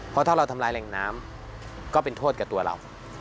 เพราะถ้าเราทำลายแหล่งน้ำก็เป็นโทษกับตัวเรา